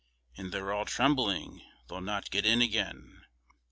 And they're all trembling, they'll not get in again.